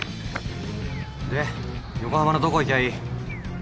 で横浜のどこ行きゃいい？